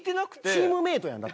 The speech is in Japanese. チームメートやん。